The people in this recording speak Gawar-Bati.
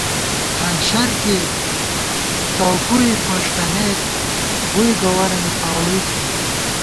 ہنشر کېئی څؤکُوئی پݭٹَمېت ، ووئی گوَرَنی پاؤڑُوئی تھنی